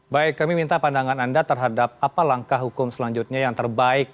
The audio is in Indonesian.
baik kami minta pandangan anda terhadap apa langkah hukum selanjutnya yang terbaik